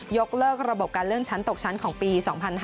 ยกเลิกระบบการเลื่อนชั้นตกชั้นของปี๒๕๕๙